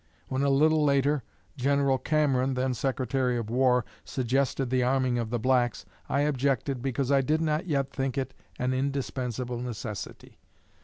When a little later, General Cameron, then Secretary of War, suggested the arming of the blacks, I objected, because I did not yet think it an indispensable necessity.